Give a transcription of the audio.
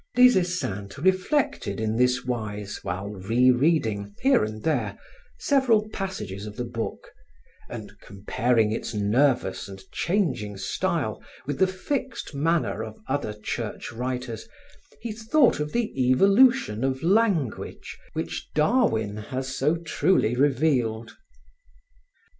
Des Esseintes reflected in this wise while re reading, here and there, several passages of the book and, comparing its nervous and changing style with the fixed manner of other Church writers, he thought of the evolution of language which Darwin has so truly revealed.